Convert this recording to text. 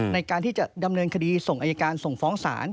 ในการที่จะดำเนินคดีส่งอายการส่งฟ้องศาล